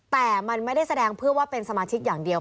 แต่มันไม่ได้แสดงเพื่อว่าเป็นสมาชิกอย่างเดียว